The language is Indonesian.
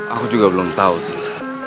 aku juga belum tahu sih